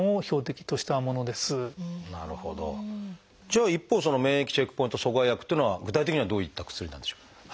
じゃあ一方免疫チェックポイント阻害薬というのは具体的にはどういった薬なんでしょう？